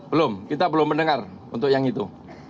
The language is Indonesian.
belum kita belum mendengar untuk yang itu